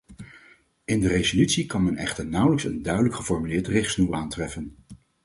In de resolutie kan men echter nauwelijks een duidelijk geformuleerde richtsnoer aantreffen.